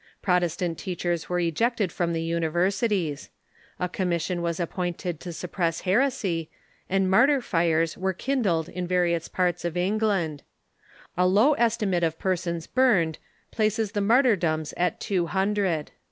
Protestant teach ers Avere ejected from the universities. A commission was ap pointed to suppress heres^^, and martyr fires Avere kindled in various parts of England. A low estimate of persons burned places the martyrdoms at two hundred.